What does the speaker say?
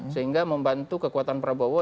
sehingga membantu kekuatan prabowo